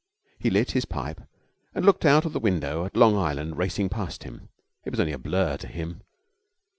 He lit his pipe, and looked out of the window at Long Island racing past him. It was only a blur to him.